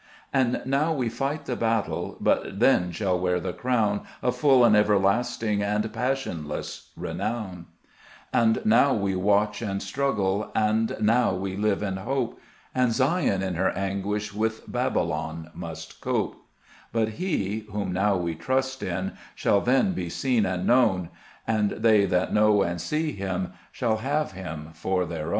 3 And now we fight the battle, But then shall wear the crown Of full and everlasting And passionless renown ; 4 And now we watch and struggle, And now we live in hope, And Zion in her anguish With Babylon must cope ; 5 But He, whom now we trust in, Shall then be seen and known ; And they that know and see Him Shall have Him for their own.